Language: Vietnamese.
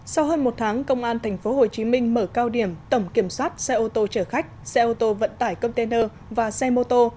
sau hơn một tháng công an tp hcm mở cao điểm tổng kiểm soát xe ô tô chở khách xe ô tô vận tải container và xe mô tô